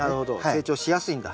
成長しやすいんだ。